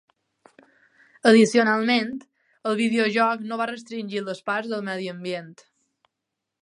Addicionalment, el videojoc no va restringir les parts del medi ambient.